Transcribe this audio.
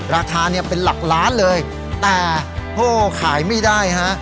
ราคาเนี่ยเป็นหลักล้านเลยแต่พ่อขายไม่ได้ฮะ